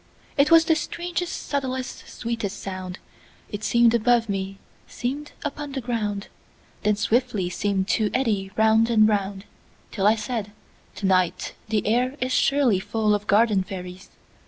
It was the strangest, subtlest, sweetest sound:It seem'd above me, seem'd upon the ground, Then swiftly seem'd to eddy round and round, Till I said: "To night the air isSurely full of garden fairies."